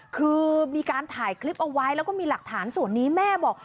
คือมีการถ่ายคลิปเอาไว้แล้วก็มีหลักฐานส่วนนี้แม่บอก